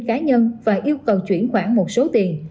cá nhân và yêu cầu chuyển khoản một số tiền